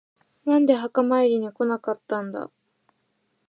なんで墓参りに来なかったんだ。